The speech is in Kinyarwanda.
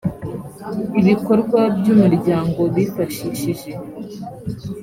ibikorwa by umuryango bifashishije